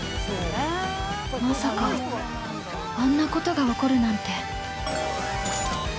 ◆まさか、あんなことが起こるなんて。